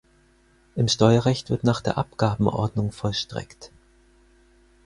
Im Steuerrecht wird nach der Abgabenordnung vollstreckt.